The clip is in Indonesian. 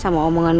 saya sudah tilik